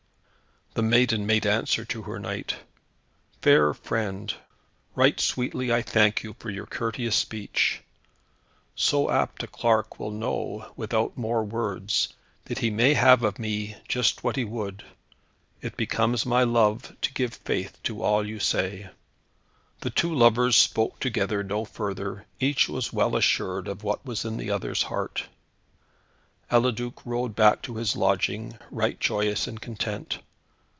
The maiden made answer to her knight, "Fair friend, right sweetly I thank you for your courteous speech. So apt a clerk will know, without more words, that he may have of me just what he would. It becomes my love to give faith to all you say." The two lovers spoke together no further; each was well assured of what was in the other's heart. Eliduc rode back to his lodging, right joyous and content.